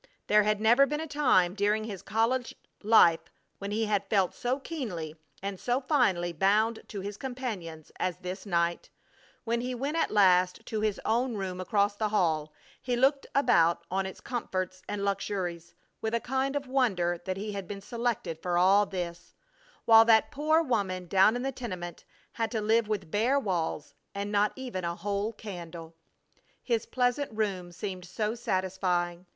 There had never been a time during his college life when he had felt so keenly and so finely bound to his companions as this night; when he went at last to his own room across the hall, he looked about on its comforts and luxuries with a kind of wonder that he had been selected for all this, while that poor woman down in the tenement had to live with bare walls and not even a whole candle! His pleasant room seemed so satisfying!